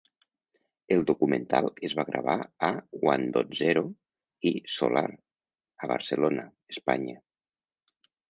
El documental es va gravar a "Onedotzero" i "Solar" a Barcelona, Espanya.